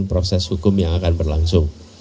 proses hukum yang akan berlangsung